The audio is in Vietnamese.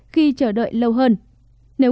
khi chờ đợi lâu hơn nếu